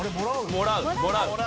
もらう。